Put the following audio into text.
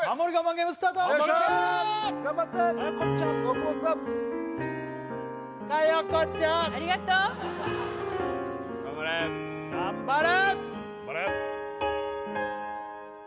ゲームスタート頑張れ頑張って佳代子ちゃん大久保さん佳代子ちゃんありがとう・頑張れ頑張れ！